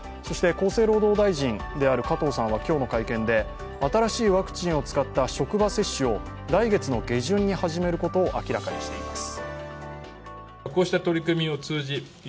厚生労働大臣である加藤さんは今日の会見で新しいワクチンを使った職場接種を来月の下旬に始めることを明らかにしています。